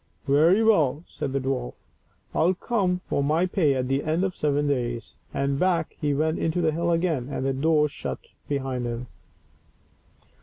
" Very well," said the dwarf, " I will come for my pay at the end of seven days," and back he went into the hill again, and the door shut to behind him.